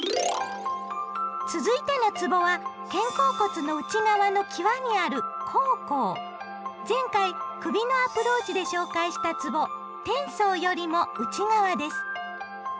続いてのつぼは肩甲骨の内側の際にある前回首のアプローチで紹介したつぼ「天宗」よりも内側です。